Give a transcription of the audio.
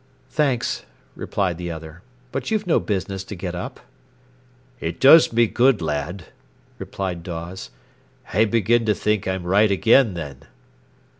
"Thanks!" replied the other. "But you've no business to get up." "It does me good, lad," replied Dawes. "I begin to think I'm right again, then."